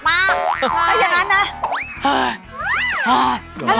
ถ้าอย่างนั้นนะ